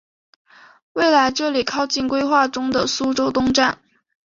未来这里靠近规划中的苏州东站。